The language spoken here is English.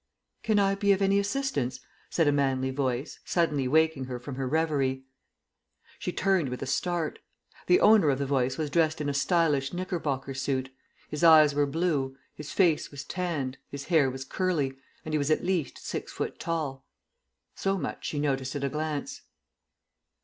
"Can I be of any assistance?" said a manly voice, suddenly waking her from her reverie. She turned with a start. The owner of the voice was dressed in a stylish knickerbocker suit; his eyes were blue, his face was tanned, his hair was curly, and he was at least six foot tall. So much she noticed at a glance.